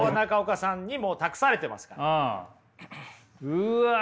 うわ！